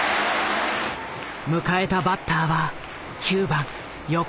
迎えたバッターは９番横峯。